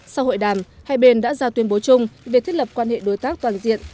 sau hội đàm hai bên đã ra tuyên bố chung về thiết lập quan hệ đối tác toàn diện